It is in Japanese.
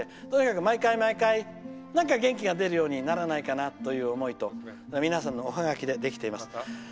とにかく毎回毎回何か元気が出るようにならないかなという思いと皆さんのおハガキでできています。